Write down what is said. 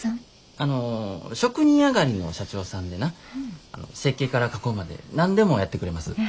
あの職人上がりの社長さんでな設計から加工まで何でもやってくれます。